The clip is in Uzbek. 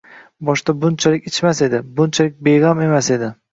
Boshda bunchalik ichmas edi, bunchalik beg‘am emas edi